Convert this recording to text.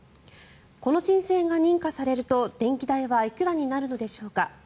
この申請が認可されると電気代はいくらになるのでしょうか。